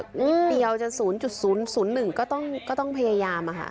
เดี๋ยวจะ๐๐๑ก็ต้องพยายามค่ะ